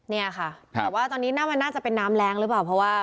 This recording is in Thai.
เนี่ยค่ะแต่ว่าตอนนี้มันน่าจะเป็นน้ำแรงหรือเปล่าเพราะว่า